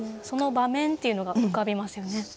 その場面っていうのが浮かびますよね。